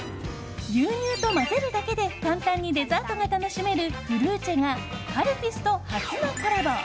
牛乳と混ぜるだけで簡単にデザートが楽しめるフルーチェがカルピスと初のコラボ。